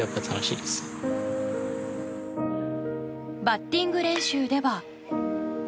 バッティング練習では。